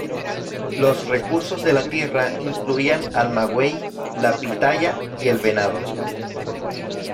Los recursos de la tierra incluían al maguey, la pitahaya, y el venado.